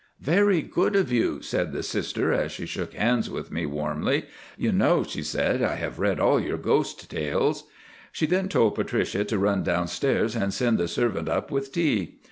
"Very good of you," said the Sister as she shook hands with me warmly. "You know," she said, "I have read all your ghost tales." She then told Patricia to run downstairs and send the servant up with tea.